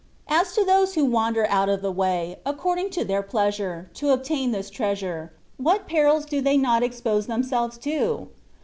As to those who wander out of the way, according to their plea sure, to obtain this treasure, what perils do they not expose themselves to